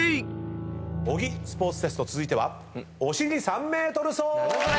小木スポーツテスト続いてはお尻３ｍ走！